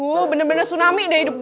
aduw bener bener tsunami deh hidup gue